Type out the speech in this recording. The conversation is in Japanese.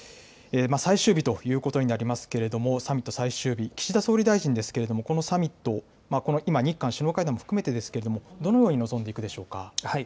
最終日ということになりますけれども、サミット最終日、岸田総理大臣ですけれども、このサミット、今、日韓首脳会談も含めてですけど、どのように臨んでいくでしょ